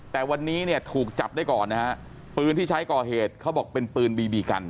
แต่วันนี้เนี่ยถูกจับได้ก่อนนะฮะปืนที่ใช้ก่อเหตุเขาบอกเป็นปืนบีบีกัน